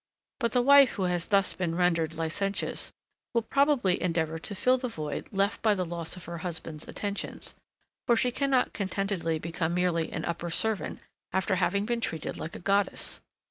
But the wife who has thus been rendered licentious, will probably endeavour to fill the void left by the loss of her husband's attentions; for she cannot contentedly become merely an upper servant after having been treated like a goddess.